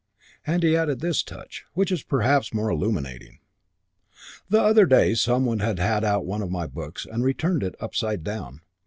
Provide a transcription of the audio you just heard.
And he had added this touch, which is perhaps more illuminating. "The other day some one had had out one of my books and returned it upside down.